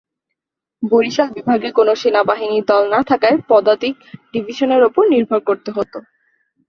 বরিশাল বিভাগে কোন সেনাবাহিনীর দল না থাকায় পদাতিক ডিভিশনের উপর নির্ভর করতে হত।